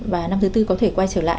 và năm thứ tư có thể quay trở lại